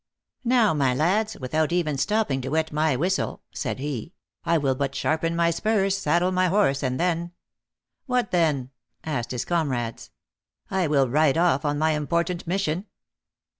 " Now, my lads, without even stopping to wet my whistle," said he, " I will but sharpen my spurs, sad dle my horse, and then "" What then?" asked his comrades. " I will ride off on my important mission."